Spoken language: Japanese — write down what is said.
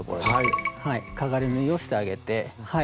はいかがり縫いをしてあげて。